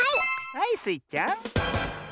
はいスイちゃん。